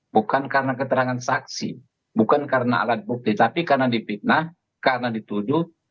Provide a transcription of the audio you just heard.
bukan karena keterangan saksi bukan karena alat bukti tapi karena dipitnah karena dituduh